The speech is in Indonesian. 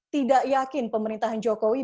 tidak yakin pemerintahan jokowi